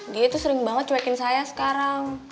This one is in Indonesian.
dia tuh sering banget cuekin saya sekarang